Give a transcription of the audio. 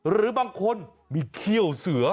หรือบางคนมีเขี้ยวเสือ